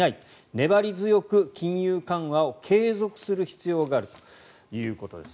粘り強く金融緩和を継続する必要があるということです。